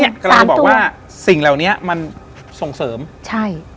กำลังบอกว่าสิ่งเหล่านี้มันส่งเสริมใช่